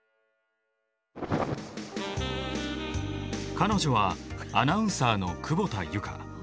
彼女はアナウンサーの久保田祐佳。